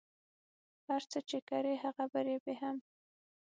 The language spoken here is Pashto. هر څه چی کری هغه به ریبی هم